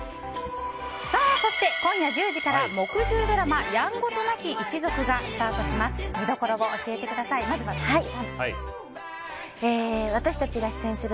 そして、今夜１０時から木１０ドラマ「やんごとなき一族」が始まります。